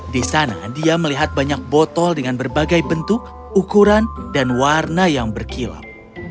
di sana dia melihat banyak botol dengan berbagai bentuk ukuran dan warna yang berkilap